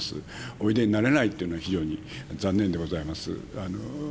おいでになれないというのは、非常に残念でございます。